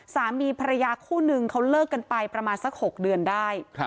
สามีภรรยาคู่นึงเขาเลิกกันไปประมาณสัก๖เดือนได้